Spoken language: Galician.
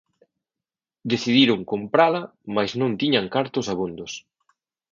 Decidiron comprala mais non tiñan cartos abondos.